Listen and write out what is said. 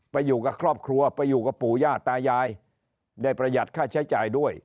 ไปอยู่กับครอบครัวไปอยู่กับปู่ย่าตายายได้ประหยัดค่าใช้จ่ายด้วย